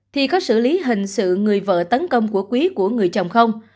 thì có xử lý hình sự người vợ tấn công của quý của người chồng không